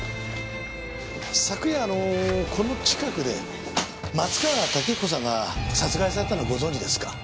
昨夜この近くで松川竹彦さんが殺害されたのはご存じですか？